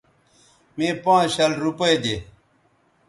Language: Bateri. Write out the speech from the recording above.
مے پانز شل روپے دے